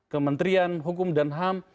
kementrian hukum dan ham